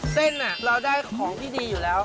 เส้นเราได้ของที่ดีอยู่แล้ว